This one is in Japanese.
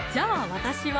私は？